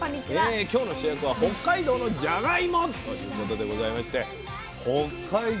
今日の主役は北海道のじゃがいもということでございまして北海道